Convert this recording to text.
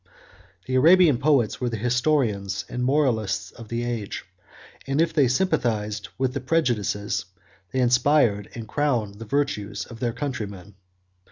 41 The Arabian poets were the historians and moralists of the age; and if they sympathized with the prejudices, they inspired and crowned the virtues, of their countrymen.